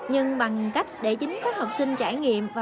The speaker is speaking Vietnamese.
nhưng bằng cách để chính các học sinh trải nghiệm